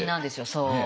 そう。